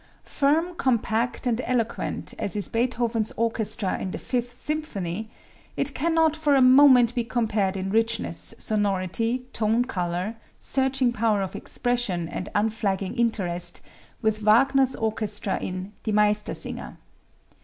Firm, compact and eloquent as is Beethoven's orchestra in the Fifth Symphony, it cannot for a moment be compared in richness, sonority, tone color, searching power of expression and unflagging interest, with Wagner's orchestra in "Die Meistersinger."